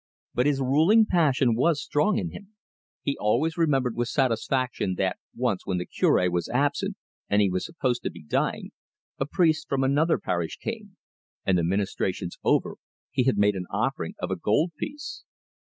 But his ruling passion was strong in him. He always remembered with satisfaction that once when the Cure was absent and he was supposed to be dying, a priest from another parish came, and, the ministrations over, he had made an offering of a gold piece.